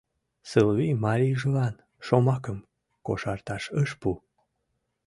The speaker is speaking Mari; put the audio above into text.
Сылвий марийжылан шомакым кошарташ ыш пу.